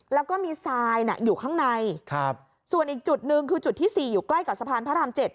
แล้วก็มีทรายอยู่ข้างในส่วนอีกจุดหนึ่งคือจุดที่๔อยู่ใกล้กับสะพานพระราม๗